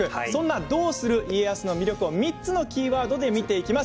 「どうする家康」の魅力を３つのキーワードで見ていきます。